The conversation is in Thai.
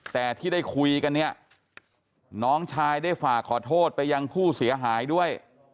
แต่ที่ได้คุยกันเนี่ยน้องชายได้ฝากขอโทษไปยังผู้เสียหายด้วย